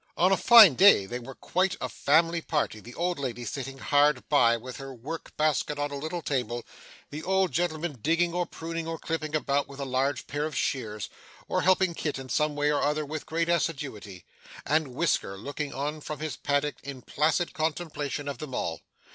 On a fine day they were quite a family party; the old lady sitting hard by with her work basket on a little table; the old gentleman digging, or pruning, or clipping about with a large pair of shears, or helping Kit in some way or other with great assiduity; and Whisker looking on from his paddock in placid contemplation of them all.